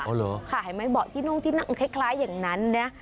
ค่ะเห็นไหมเบาะที่นุ่งที่นั่งคล้ายอย่างนั้นนะ